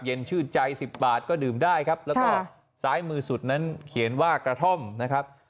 ชื่นใจสิบบาทก็ดื่มได้ครับแล้วก็ซ้ายมือสุดนั้นเขียนว่ากระท่อมนะครับ